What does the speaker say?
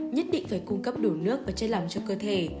bảy nhất định phải cung cấp đủ nước và chất lòng cho cơ thể